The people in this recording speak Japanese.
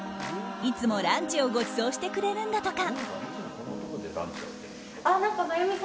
いつもランチをごちそうしてくれるんだとか。